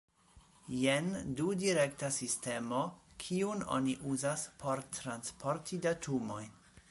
Jen dudirekta sistemo, kiun oni uzas por transporti datumojn.